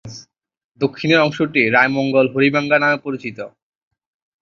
দক্ষিণের অংশটি 'রায়মঙ্গল-হরিভাঙা' নামে পরিচিত।